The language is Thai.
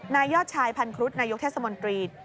นายยอดชายพันครุฑนายกเทศมนตรี